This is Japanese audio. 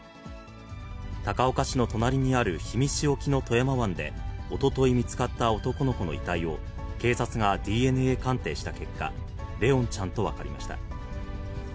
高岡市の隣にある氷見市沖の富山湾で、おととい見つかった男の子の遺体を警察がＤＮＡ鑑定した結果、怜音ちゃんと分かりました。